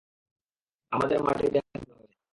আমাদের মাটিতে হামলা হয়েছে।